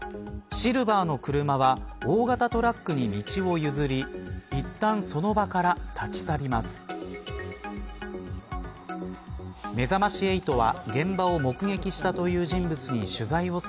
シルバーの車は大型トラックに道を譲りいったんその場から立ち去ります。